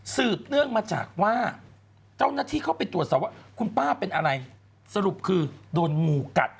เนื่องมาจากว่าเจ้าหน้าที่เข้าไปตรวจสอบว่าคุณป้าเป็นอะไรสรุปคือโดนงูกัด